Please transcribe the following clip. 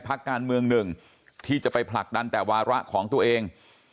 พักการเมืองหนึ่งที่จะไปผลักดันแต่วาระของตัวเอง